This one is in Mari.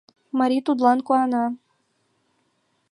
Мари тудлан куана